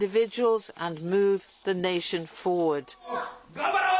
頑張ろう。